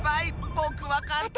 ぼくわかった。